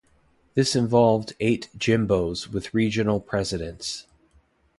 This involved eight 'jimbos' with regional presidents.